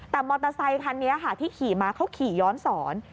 แต่มอเตอร์ไซคันนี้ค่ะที่ขี่มาเขาขี่ย้อนสอน